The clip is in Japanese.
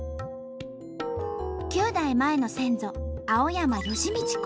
９代前の先祖青山幸道公。